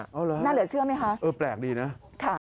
ใช่ค่ะนั่นเหลือเชื่อไหมคะถาม